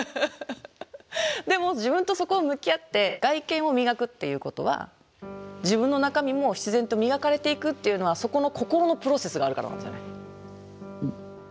でも自分とそこを向き合って外見を磨くっていうことは自分の中身も必然と磨かれていくっていうのはそこの心のプロセスがあるからなんですよね。